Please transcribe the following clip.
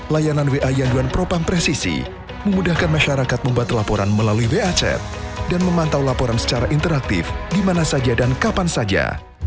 layanan wa yanduan propam presisi memudahkan masyarakat membuat laporan melalui wa chat dan memantau laporan secara interaktif di mana saja dan kapan saja